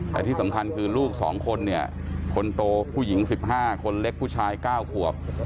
แต่ที่สำคัญคือลูก๒คนเนี่ยคนโตผู้หญิง๑๕คนเล็กผู้ชาย๙ขวบ